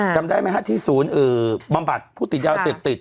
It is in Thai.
จำได้ไหมฮะที่ศูนย์บำบัดผู้ติดยาเสพติด